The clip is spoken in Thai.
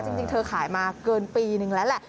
จริงเธอขายมาเกินปีนึงแล้วแหละ